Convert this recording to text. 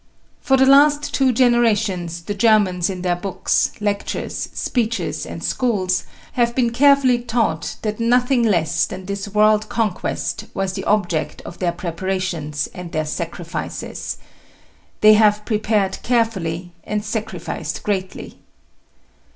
For the last two generations the Germans in their books, lectures, speeches and schools have been carefully taught that nothing less than this world conquest was the object of their preparations and their sacrifices. They have prepared carefully and sacrificed greatly.